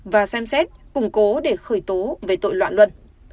và xem xét củng cố để khởi tố về tội loạn luân